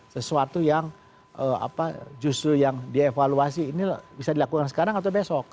sesuatu yang justru yang dievaluasi ini bisa dilakukan sekarang atau besok